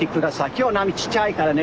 今日は波ちっちゃいからね。